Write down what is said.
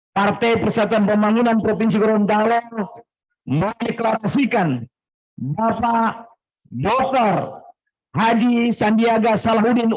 partai pesatuan pembangunan provinsi gerontalo mengeklasikan bapak boker haji sandiaga salahuddin